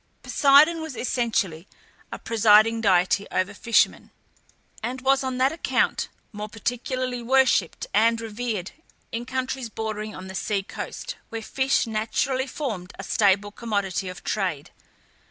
Poseidon was essentially the presiding deity over fishermen, and was on that account, more particularly worshipped and revered in countries bordering on the sea coast, where fish naturally formed a staple commodity of trade.